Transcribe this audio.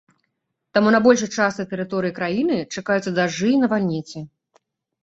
Таму на большай частцы тэрыторыі краіны чакаюцца дажджы і навальніцы.